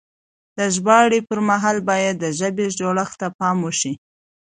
د ژباړې پر مهال بايد د ژبې جوړښت ته پام وشي.